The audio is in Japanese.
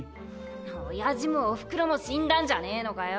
親父もお袋も死んだんじゃねえのかよ？